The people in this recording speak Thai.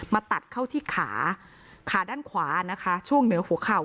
ตัดเข้าที่ขาขาด้านขวานะคะช่วงเหนือหัวเข่า